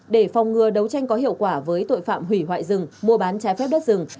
để phòng ngừa đấu tranh có hiệu quả với tội phạm hủy hoại rừng mua bán trái phép đất rừng